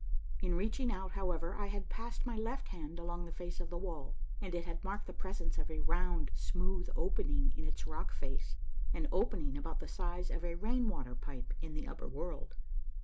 In reaching out, however, I had passed my left hand along the face of the wall, and it had marked the presence of a round smooth opening in its rock}' face, an open ing about the size of a rain water pipe in the upper world.